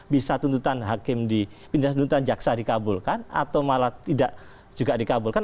bisa tuntutan hakim dipindahan tuntutan jaksa dikabulkan atau malah tidak juga dikabulkan